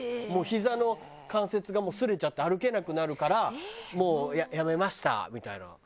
もうひざの関節がもう擦れちゃって歩けなくなるからもうやめましたみたいな。